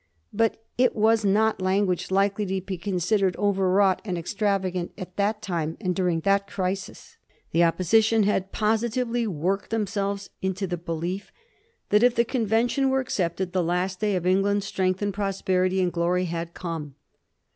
But it was not language likely to be considered overwrought and extravagant at that time and during that crisis. The Opposition had positively worked themselves into the be lief that if the convention were accepted the last day of England's strength, prosperity, and glory had come.